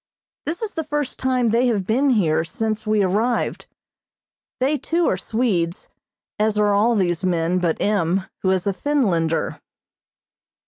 This is the first time they have been here since we arrived. They, too, are Swedes, as are all these men but M., who is a Finlander.